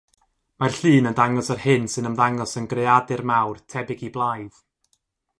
Mae'r llun yn dangos yr hyn sy'n ymddangos yn greadur mawr tebyg i blaidd.